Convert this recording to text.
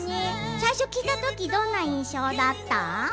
最初聴いたときどんな印象だった。